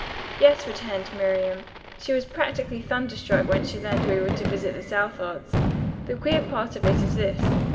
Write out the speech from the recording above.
"Yes," returned Miriam. "She was practically thunderstruck when she learned we were to visit the Southards. The queer part of it is this.